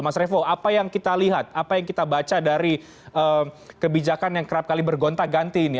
mas revo apa yang kita lihat apa yang kita baca dari kebijakan yang kerap kali bergonta ganti ini